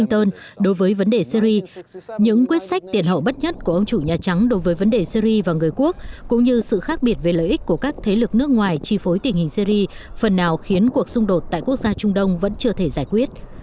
những quyết sách tiền hậu bất nhất của ông chủ nhà trắng đối với vấn đề syri và người quốc cũng như sự khác biệt về lợi ích của các thế lực nước ngoài chi phối tình hình syri phần nào khiến cuộc xung đột tại quốc gia trung đông vẫn chưa thể giải quyết